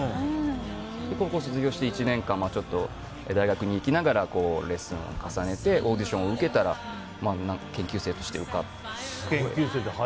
高校卒業して１年間大学に行きながらレッスンを重ねてオーディションを受けたら研究生として受かって。